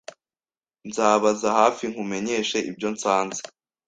Nzabaza hafi nkumenyeshe ibyo nsanze